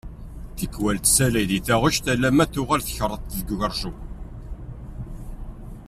Tikwal tessalay di taɣect alamma tuɣal tkeṛṛeḍ deg ugerjum.